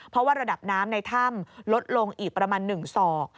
เพราะว่าระดับน้ำในถ้ำลดลงอีกประมาณ๑ศอก